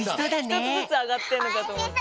ひとつずつあがってんのかとおもって。